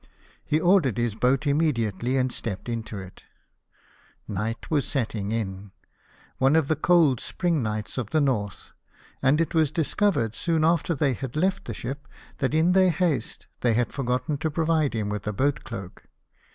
He ordered his boat imme diately and stepped into it. Night was setting in — one of the cold spring nights of the North — and it was discovered, soon after they had left the ship, that in their haste they had forgotten to provide him with a boat cloak.